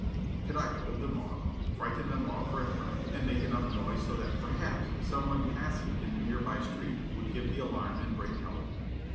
Could I hold them off? Frighten them off, for a time, and make enough noise so that perhaps someone passing in the nearby street would give the alarm and bring help?